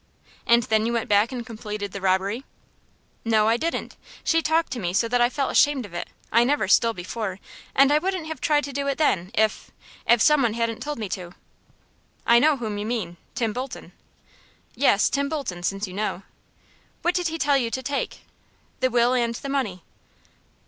"And then you went back and completed the robbery?" "No, I didn't. She talked to me so that I felt ashamed of it. I never stole before, and I wouldn't have tried to do it then, if if some one hadn't told me to." "I know whom you mean Tim Bolton." "Yes, Tim Bolton, since you know." "What did he tell you to take?" "The will and the money."